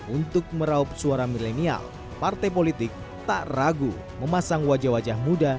untuk meraup suara milenial partai politik tak ragu memasang wajah wajah muda